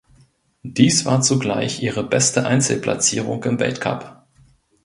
Dies war zugleich ihre beste Einzelplatzierung im Weltcup.